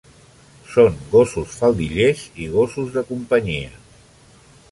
Són gossos faldillers i gossos de companyia.